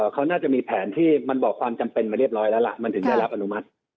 เขาน่าจะมีแผนที่มันบอกความจำเป็นมาเรียบร้อยแล้วล่ะมันถึงได้รับอนุมัติ